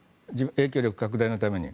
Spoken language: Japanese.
影響力拡大のために。